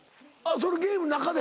そのゲームの中で？